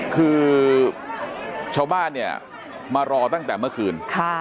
คือชาวบ้านเนี่ยมารอตั้งแต่เมื่อคืน